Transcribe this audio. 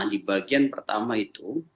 di bagian pertama itu